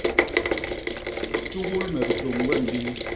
Tjugul me bitôñ gwem bini.